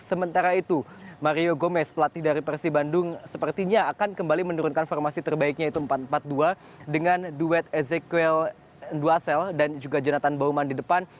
sementara itu mario gomez pelatih dari persi bandung sepertinya akan kembali menurunkan formasi terbaiknya yaitu empat empat dua dengan duet ezequel n duasel dan juga jonathan bauman di depan